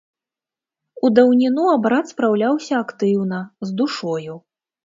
У даўніну абрад спраўляўся актыўна, з душою.